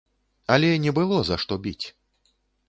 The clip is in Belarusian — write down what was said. Але не было за што біць.